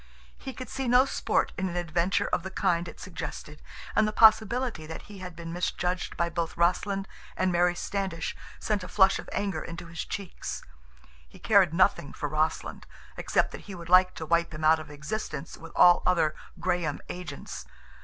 He could see no sport in an adventure of the kind it suggested, and the possibility that he had been misjudged by both Rossland and Mary Standish sent a flush of anger into his cheeks. He cared nothing for Rossland, except that he would like to wipe him out of existence with all other Graham agents.